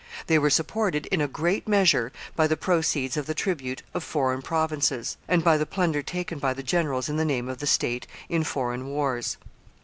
They were supported, in a great measure, by the proceeds of the tribute of foreign provinces, and by the plunder taken by the generals in the name of the state in foreign wars.